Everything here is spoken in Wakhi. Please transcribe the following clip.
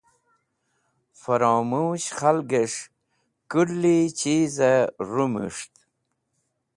Fromush khalgẽs̃h kulẽchizẽ rũmus̃ht